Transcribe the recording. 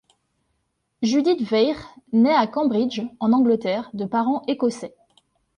Judith Weir naît à Cambridge, en Angleterre, de parents écossais.